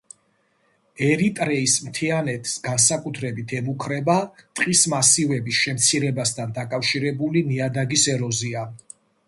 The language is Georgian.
ერიტრეის მთიანეთს განსაკუთრებით ემუქრება ტყის მასივების შემცირებასთან დაკავშირებული ნიადაგის ეროზია.